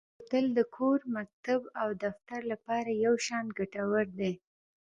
بوتل د کور، مکتب او دفتر لپاره یو شان ګټور دی.